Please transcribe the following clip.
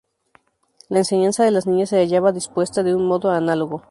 La enseñanza de las niñas se hallaba dispuesta de un modo análogo.